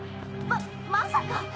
ままさか。